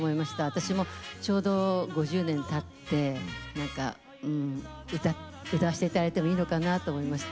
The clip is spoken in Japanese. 私もちょうど５０年たって歌わせて頂いてもいいのかなと思いました。